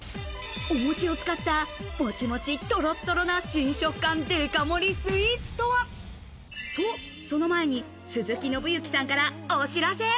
お餅を使ったモチモチトロトロな新食感デカ盛りスイーツとは？と、その前に鈴木伸之さんからお知らせ。